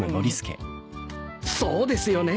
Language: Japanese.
そうですよね。